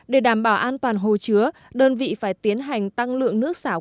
để đảm bảo an toàn hồ chứa đơn vị phải tiến hành tăng lượng nước xả qua tràn